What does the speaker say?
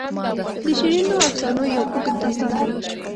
د شیرینو افسانو یو اوږد داستان دی.